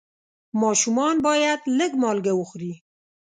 ماشومان باید لږ مالګه وخوري.